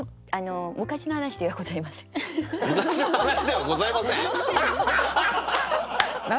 昔の話ではございません！？